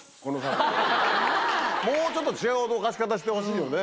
もうちょっと違う驚かし方してほしいよね。